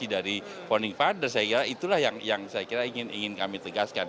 visi dari funding voters saya kira itulah yang saya kira ingin kami tegaskan